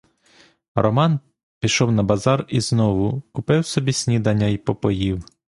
Роман пішов на базар ізнову, купив собі снідання й попоїв.